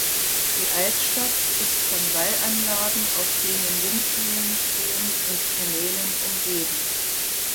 Die Altstadt ist von Wallanlagen, auf denen Windmühlen stehen, und Kanälen umgeben.